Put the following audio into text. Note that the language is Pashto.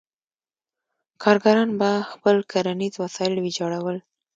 کارګران به خپل کرنیز وسایل ویجاړول.